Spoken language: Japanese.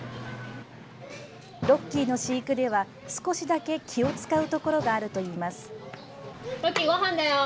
ロッキーの飼育では少しだけ気をつかうところがあるといいます。